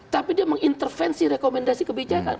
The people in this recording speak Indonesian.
tapi dia mengintervensi rekomendasi kebijakan